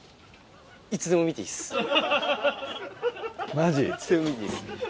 マジ？